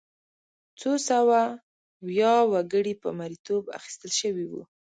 څو سوه ویا وګړي په مریتوب اخیستل شوي وو.